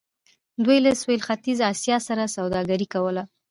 دوی له سویل ختیځې اسیا سره سوداګري کوله.